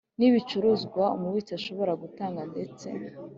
n ibicuruzwa Umubitsi ashobora gutanga ndetse